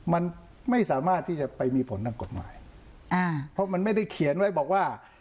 มันไม่สามารถที่จะไปมีผลทางกฎหมายอ่าเพราะมันไม่ได้เขียนไว้บอกว่า